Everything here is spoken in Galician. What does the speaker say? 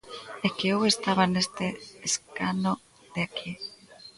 É que eu estaba neste escano de aquí.